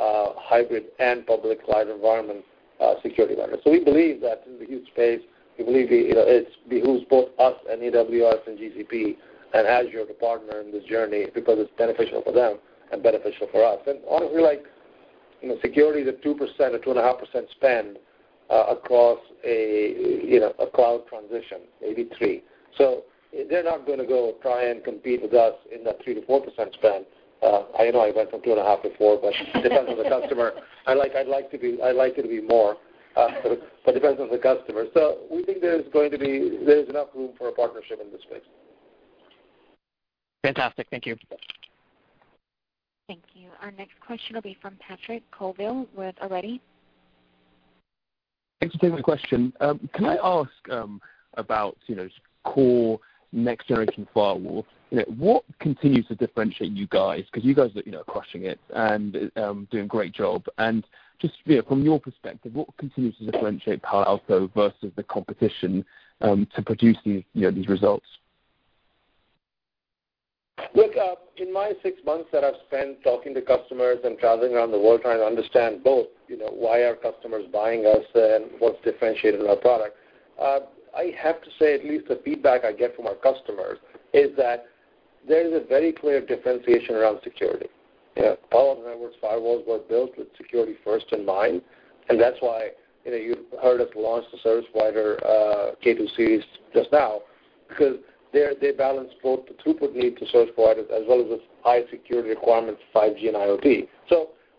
hybrid, and public cloud environment, security environment. We believe that this is a huge space. We believe it behooves both us and AWS and GCP and Azure to partner in this journey because it's beneficial for them and beneficial for us. Honestly, like security is a 2% or 2.5% spend, across a cloud transition, maybe 3%. They're not going to go try and compete with us in that 3%-4% spend. I know I went from two and a half to four, it depends on the customer. I like it to be more, it depends on the customer. We think there's enough room for a partnership in this space. Fantastic. Thank you. Thank you. Our next question will be from Patrick Colville with Arete. Thanks for taking the question. Can I ask about core next-generation firewall? What continues to differentiate you guys? You guys are crushing it and doing a great job. Just from your perspective, what continues to differentiate Palo Alto versus the competition, to produce these results? Look, in my six months that I've spent talking to customers and traveling around the world trying to understand both why are customers buying us and what's differentiating our product, I have to say, at least the feedback I get from our customers is that there is a very clear differentiation around security. Palo Alto Networks firewalls were built with security first in mind, and that's why you heard us launch the K2-Series just now because they balance both the throughput need to service providers as well as the high security requirements for 5G and IoT.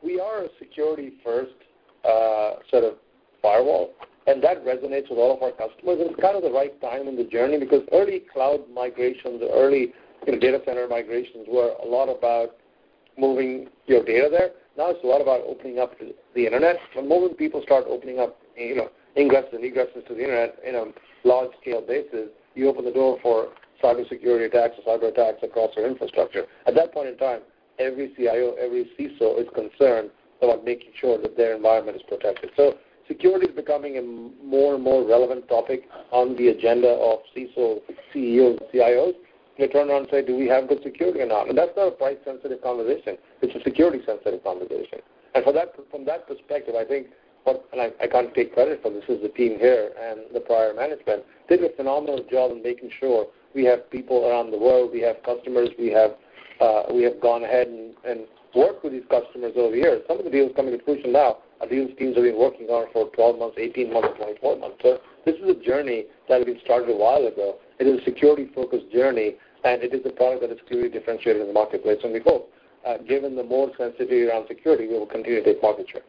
We are a security first sort of firewall, and that resonates with all of our customers, and it's kind of the right time in the journey because early cloud migrations, early data center migrations, were a lot about moving your data there. Now it's a lot about opening up to the Internet. The moment people start opening up ingress and egress into the Internet in a large scale basis, you open the door for cybersecurity attacks or cyber attacks across your infrastructure. At that point in time, every CIO, every CISO, is concerned about making sure that their environment is protected. Security is becoming a more and more relevant topic on the agenda of CISOs, CEOs, CIOs. They turn around and say, "Do we have good security or not?" That's not a price-sensitive conversation. It's a security-sensitive conversation. From that perspective, I think, and I can't take credit for this, is the team here and the prior management did a phenomenal job in making sure we have people around the world, we have customers, we have gone ahead and worked with these customers over the years. Some of the deals coming to fruition now are deals teams have been working on for 12 months, 18 months, 24 months. This is a journey that we started a while ago. It is a security-focused journey, and it is a product that is clearly differentiated in the marketplace. We hope, given the more sensitivity around security, we will continue to take market share.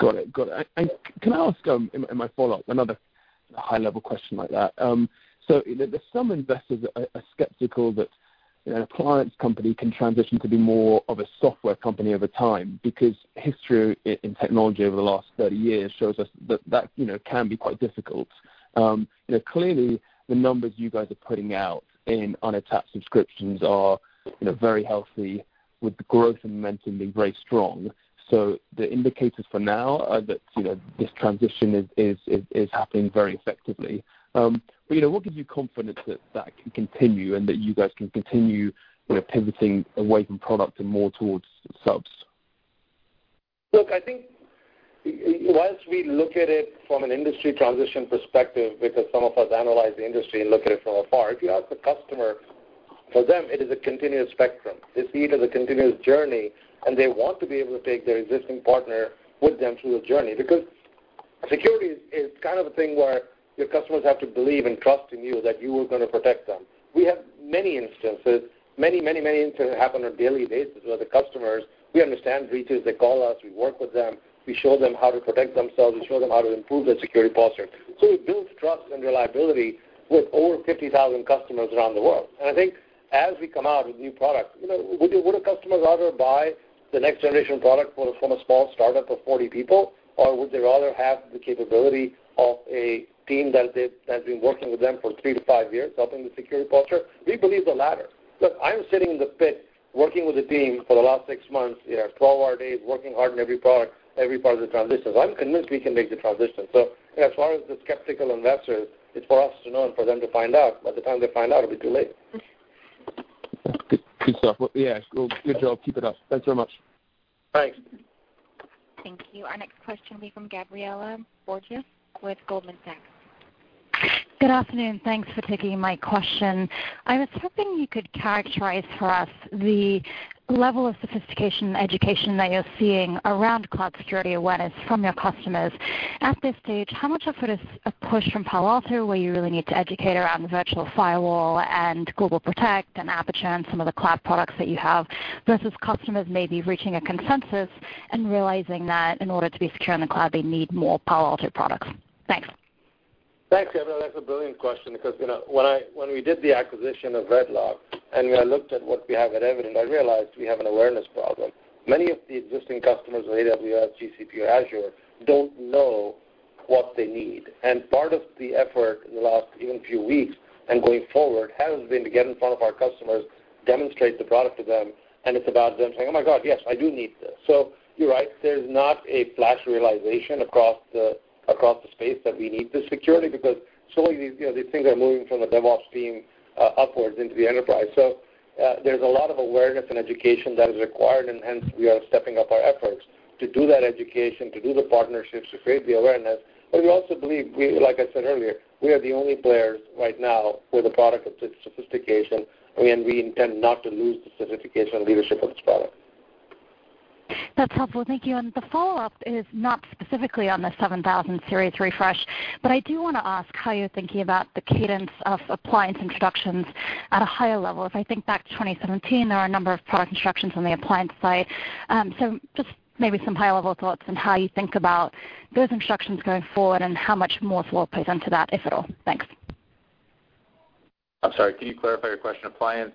Got it. Can I ask in my follow-up, another high-level question like that. There's some investors that are skeptical that an appliance company can transition to be more of a software company over time because history in technology over the last 30 years shows us that that can be quite difficult. Clearly, the numbers you guys are putting out in on-app subscriptions are very healthy with growth and momentum being very strong. The indicators for now are that this transition is happening very effectively. What gives you confidence that that can continue and that you guys can continue pivoting away from product and more towards subs? Look, I think once we look at it from an industry transition perspective, because some of us analyze the industry and look at it from afar, if you ask the customer, for them, it is a continuous spectrum. They see it as a continuous journey, they want to be able to take their existing partner with them through the journey, because security is kind of a thing where your customers have to believe and trust in you that you are going to protect them. We have many instances happen on a daily basis where the customers, we understand breaches. They call us, we work with them, we show them how to protect themselves, we show them how to improve their security posture. We build trust and reliability with over 50,000 customers around the world. I think as we come out with new products, would a customer rather buy the next generation product from a small startup of 40 people? Would they rather have the capability of a team that's been working with them for three to five years helping the security posture? We believe the latter. Look, I'm sitting in the pit working with the team for the last six months, 12-hour days, working hard on every product, every part of the transition. I'm convinced we can make the transition. As far as the skeptical investors, it's for us to know and for them to find out. By the time they find out, it'll be too late. Good stuff. Well, yeah. Good job. Keep it up. Thanks so much. Thanks. Thank you. Our next question will be from Gabriela Borges with Goldman Sachs. Good afternoon. Thanks for taking my question. I was hoping you could characterize for us the level of sophistication education that you're seeing around cloud security awareness from your customers. At this stage, how much of it is a push from Palo Alto where you really need to educate around virtual firewall and GlobalProtect and Aperture and some of the cloud products that you have, versus customers maybe reaching a consensus and realizing that in order to be secure in the cloud they need more Palo Alto products? Thanks. Thanks, Gabriela. That's a brilliant question because when we did the acquisition of RedLock and when I looked at what we have at Evident, I realized we have an awareness problem. Many of the existing customers, whether AWS, GCP, or Azure, don't know what they need. Part of the effort in the last even few weeks and going forward has been to get in front of our customers, demonstrate the product to them, and it's about them saying, "Oh my God, yes, I do need this." You're right. There's not a flash realization across the space that we need this security because some of these things are moving from a DevOps team upwards into the enterprise. There's a lot of awareness and education that is required, and hence we are stepping up our efforts to do that education, to do the partnerships, to create the awareness. We also believe, like I said earlier, we are the only players right now with a product of this sophistication, and we intend not to lose the sophistication and leadership of this product. That's helpful. Thank you. The follow-up is not specifically on the PA-7000 Series refresh, but I do want to ask how you're thinking about the cadence of appliance introductions at a higher level. If I think back to 2017, there are a number of product introductions on the appliance side. Just maybe some high-level thoughts on how you think about those introductions going forward and how much more thought goes into that, if at all. Thanks. I'm sorry, can you clarify your question? Appliance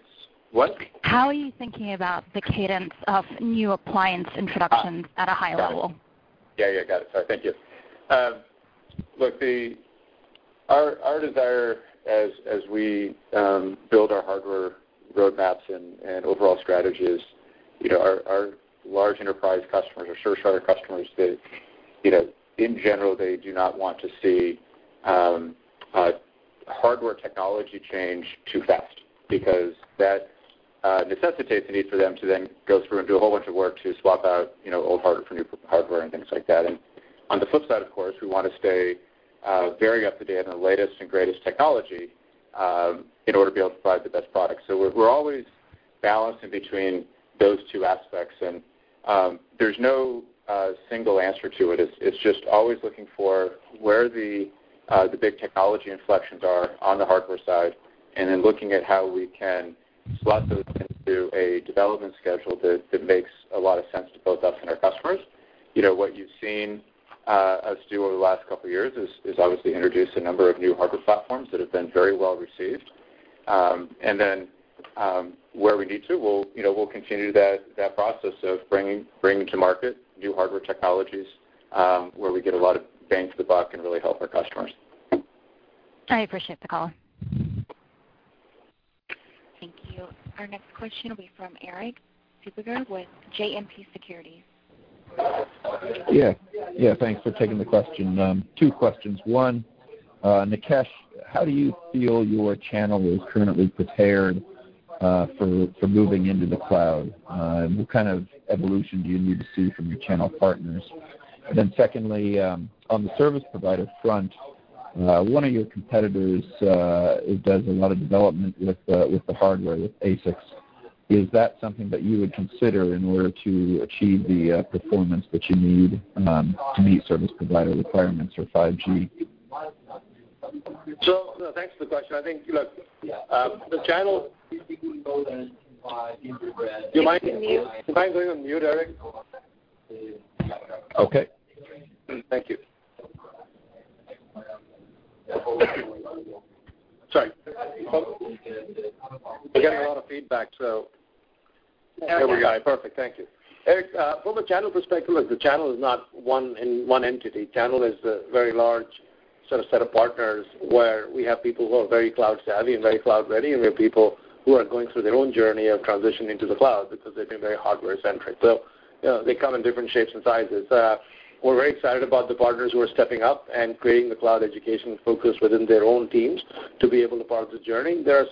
what? How are you thinking about the cadence of new appliance introductions at a high level? Yeah. Got it. Sorry. Thank you. Look, our desire as we build our hardware roadmaps and overall strategies, our large enterprise customers or service provider customers, in general, they do not want to see a hardware technology change too fast because that necessitates the need for them to then go through and do a whole bunch of work to swap out old hardware for new hardware and things like that. On the flip side, of course, we want to stay very up-to-date on the latest and greatest technology in order to be able to provide the best product. We're always balancing between those two aspects, and there's no single answer to it. It's just always looking for where the big technology inflections are on the hardware side looking at how we can slot those into a development schedule that makes a lot of sense to both us and our customers. What you've seen us do over the last couple of years is obviously introduce a number of new hardware platforms that have been very well received. Then, where we need to, we'll continue that process of bringing to market new hardware technologies, where we get a lot of bang for the buck and really help our customers. I appreciate the call. Thank you. Our next question will be from Erik Suppiger with JMP Securities. Yeah. Thanks for taking the question. Two questions. One, Nikesh, how do you feel your channel is currently prepared for moving into the cloud? What kind of evolution do you need to see from your channel partners? Secondly, on the service provider front, one of your competitors does a lot of development with the hardware, with ASICs. Is that something that you would consider in order to achieve the performance that you need to meet service provider requirements for 5G? Thanks for the question. I think, look, Can you mute? Do you mind going on mute, Erik? Okay. Thank you. Sorry. We're getting a lot of feedback. There we go. There we are. Perfect. Thank you. Erik, from a channel perspective, look, the channel is not one entity. Channel is a very large set of partners where we have people who are very cloud-savvy and very cloud-ready, and we have people who are going through their own journey of transitioning to the cloud because they've been very hardware-centric. They come in different shapes and sizes. We're very excited about the partners who are stepping up and creating the cloud education focus within their own teams to be able to part the journey. There are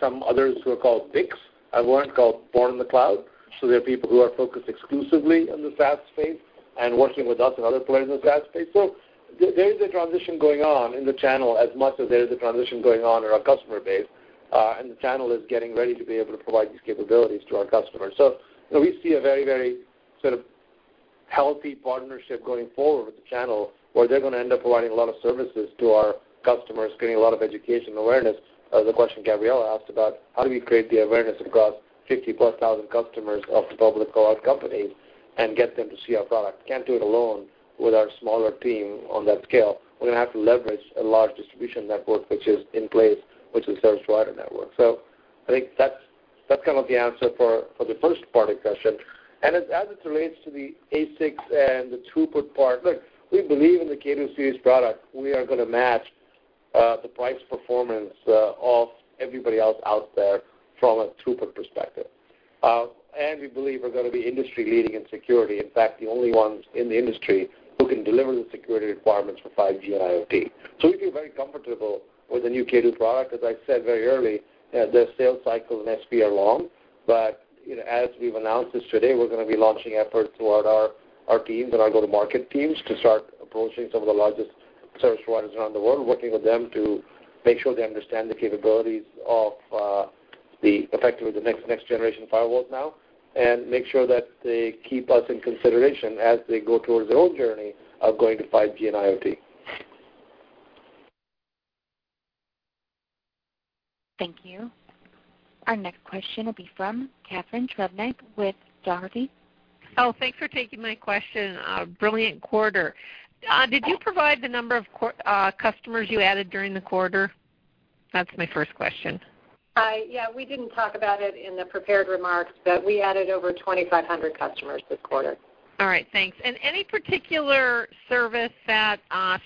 some others who are called BIC, as one called born in the cloud. They're people who are focused exclusively in the SaaS space and working with us and other players in the SaaS space. There is a transition going on in the channel as much as there is a transition going on in our customer base. The channel is getting ready to be able to provide these capabilities to our customers. We see a very, very sort of healthy partnership going forward with the channel, where they're going to end up providing a lot of services to our customers, creating a lot of education awareness. The question Gabriela Borges asked about how do we create the awareness across 50,000+ customers of the public cloud companies and get them to see our product. Can't do it alone with our smaller team on that scale. We're going to have to leverage a large distribution network which is in place, which is service provider network. I think that's kind of the answer for the first part of the question. As it relates to the ASICs and the throughput part, look, we believe in the K2-Series product. We are going to match the price-performance of everybody else out there from a throughput perspective. We believe we're going to be industry-leading in security. In fact, the only ones in the industry who can deliver the security requirements for 5G and IoT. We feel very comfortable with the new K2-Series product. As I said very early, the sales cycle and SP are long, as we've announced this today, we're going to be launching efforts throughout our teams and our go-to-market teams to start approaching some of the largest service providers around the world, working with them to make sure they understand the capabilities of the effectively the next generation firewalls now, and make sure that they keep us in consideration as they go towards their own journey of going to 5G and IoT. Thank you. Our next question will be from Catharine Trebnick with Dougherty. Oh, thanks for taking my question. Brilliant quarter. Did you provide the number of customers you added during the quarter? That's my first question. Yeah, we didn't talk about it in the prepared remarks, but we added over 2,500 customers this quarter. All right, thanks. Any particular service that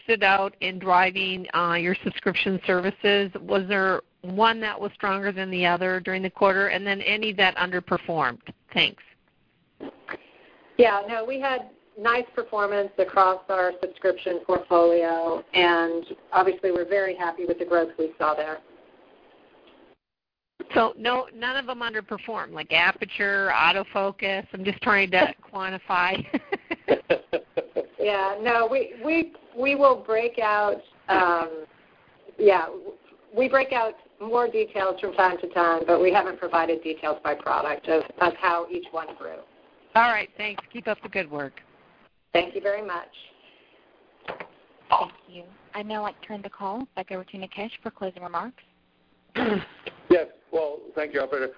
stood out in driving your subscription services? Was there one that was stronger than the other during the quarter? Then any that underperformed? Thanks. Yeah. No, we had nice performance across our subscription portfolio, and obviously, we're very happy with the growth we saw there. None of them underperformed, like Aperture, AutoFocus? I'm just trying to quantify. Yeah, no, we break out more details from time to time, but we haven't provided details by product of how each one grew. All right, thanks. Keep up the good work. Thank you very much. Thank you. I'd now like to turn the call back over to Nikesh for closing remarks. Yes. Well, thank you, operator.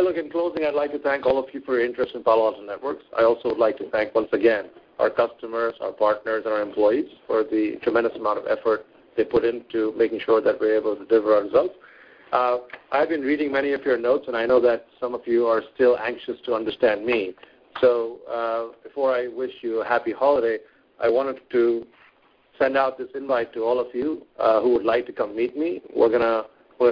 Look, in closing, I'd like to thank all of you for your interest in Palo Alto Networks. I also would like to thank, once again, our customers, our partners, and our employees for the tremendous amount of effort they put into making sure that we're able to deliver our results. I've been reading many of your notes, and I know that some of you are still anxious to understand me. Before I wish you a happy holiday, I wanted to send out this invite to all of you who would like to come meet me. We're going to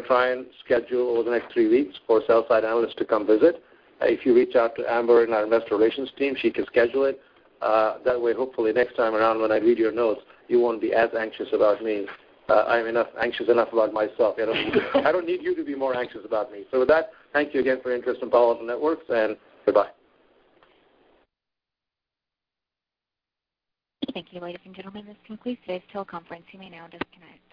try and schedule over the next three weeks for sell-side analysts to come visit. If you reach out to Amber in our investor relations team, she can schedule it. That way, hopefully, next time around, when I read your notes, you won't be as anxious about me. I'm anxious enough about myself. I don't need you to be more anxious about me. With that, thank you again for your interest in Palo Alto Networks, and goodbye. Thank you, ladies and gentlemen. This concludes today's teleconference. You may now disconnect.